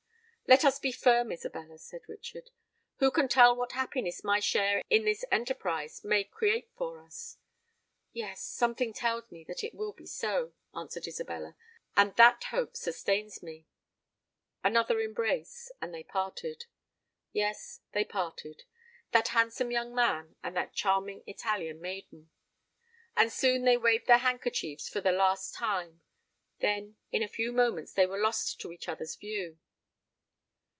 "Let us be firm, Isabella," said Richard: "who can tell what happiness my share in this enterprise may create for us?" "Yes—something tells me that it will be so," answered Isabella; "and that hope sustains me!" Another embrace—and they parted. Yes—they parted,—that handsome young man and that charming Italian maiden! And soon they waved their handkerchiefs for the last time;—then, in a few moments, they were lost to each other's view.